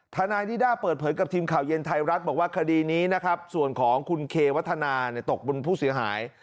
ทนายนิด้าเปิดเผยกับทีมข่าวเย็นไทยรัฐบอกว่าคดีนี้นะครับส่วนของคุณเควัฒนาตกบุญผู้เสียหาย